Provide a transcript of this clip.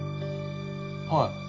はい。